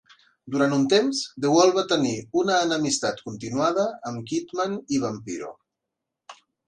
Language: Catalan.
Durant un temps, The Wall va tenir una enemistat continuada amb Kidman i Vampiro.